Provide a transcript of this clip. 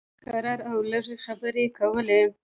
کرار او لږې خبرې یې کولې.